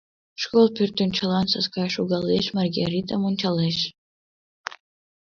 Школ пӧртӧнчылан Саскай шогалеш, Маргаритам ончалеш.